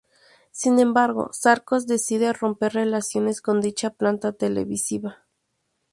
Sin embargo, Sarcos decide romper relaciones con dicha planta televisiva.